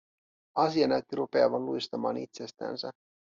Asia näytti rupeavan luistamaan itsestänsä.